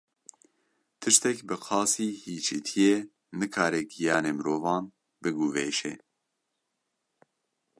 Tiştek bi qasî hîçîtiyê nikare giyanê mirovan biguvêşe.